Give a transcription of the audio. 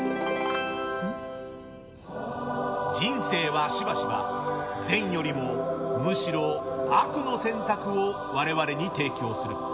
人生はしばしば善よりも、むしろ悪の選択を我々に提供する。